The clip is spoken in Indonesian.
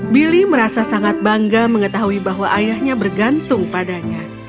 billy merasa sangat bangga mengetahui bahwa ayahnya bergantung padanya